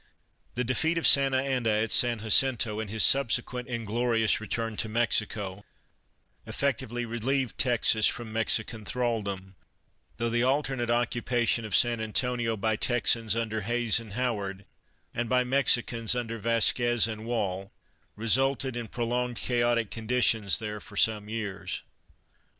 The defeat of Santa Anna at San Jacinto and his subsequent inglorious return to Mexico, effectually relieved Texas from Mexican thraldom, though the alternate occupation of San Antonio by Texans under Hays and Howard, and by Mexicans under Vasquez and Woll, resulted in prolonging chaotic conditions there for some years.